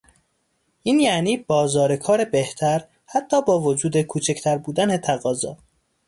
این یعنی بازار کار بهتر حتی با وجود کوچکتر بودن تقاضا.